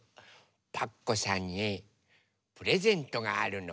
パクこさんにプレゼントがあるの。